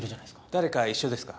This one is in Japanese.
誰か一緒ですか？